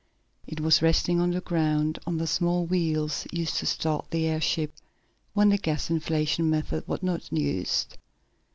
It was resting on the ground, on the small wheels used to start the airship when the gas inflation method was not used.